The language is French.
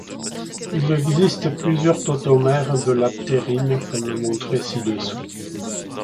Il existe plusieurs tautomères de la ptérine, comme montré ci-dessous.